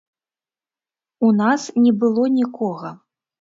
У нас не было нікога.